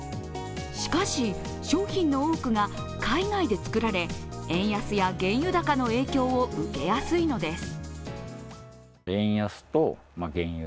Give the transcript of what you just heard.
しかし、商品の多くが海外で作られ円安や原油高の影響を受けやすいのです。